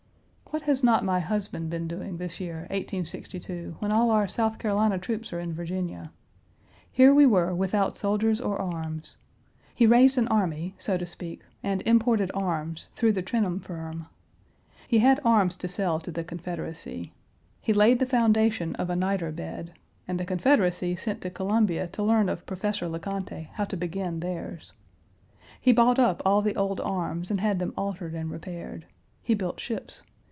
What has not my husband been doing this year, 1862, when all our South Carolina troops are in Virginia? Here we were without soldiers or arms. He raised an army, so to speak, and imported arms, through the Trenholm firm. He had arms to sell to the Confederacy. He laid the foundation of a niter bed; and the Confederacy sent to Columbia to learn of Professor Le Conte how to begin theirs. He bought up all the old arms and had them altered and repaired. He built ships.